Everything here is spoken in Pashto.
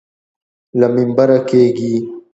له منبره کېږي.